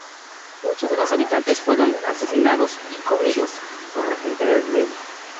Muchos de los habitantes fueron asesinados y "comidos" por la gente de Rewa.